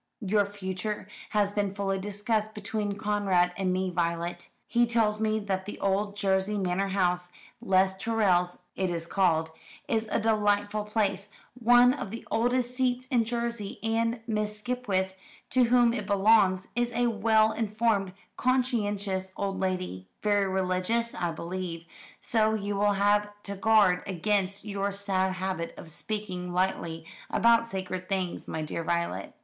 "Your future has been fully discussed between Conrad and me, Violet. He tells me that the old Jersey manor house Les Tourelles it is called is a delightful place, one of the oldest seats in Jersey, and Miss Skipwith, to whom it belongs, is a well informed conscientious old lady, very religious, I believe, so you will have to guard against your sad habit of speaking lightly about sacred things, my dear Violet."